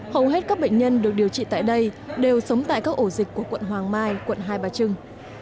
hầu hết các bệnh nhân được điều trị tại đây đều sống tại các ổ dịch của quận hoàng mai quận hai bà trưng